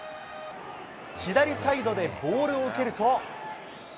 左サイドでボールを受けると。